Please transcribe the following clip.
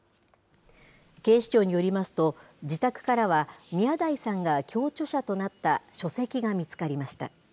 警視庁によりますと、自宅からは宮台さんが共著者となった書籍が見つかりました。